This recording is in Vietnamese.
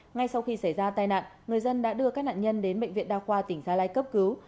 ngay sau khi xảy ra tai nạn người dân đã đưa các nạn nhân đến bệnh viện đa khoa tỉnh gia lai cấp cứu